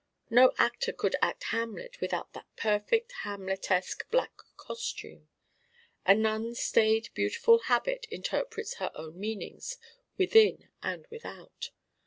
No actor could act Hamlet without that perfect Hamletesque black costume. A nun's staid beautiful habit interprets her own meanings within and without.